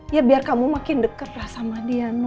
ya biar kamu makin dekatlah sama dia no